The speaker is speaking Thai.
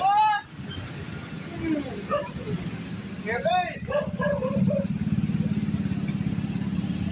เฮียบเลย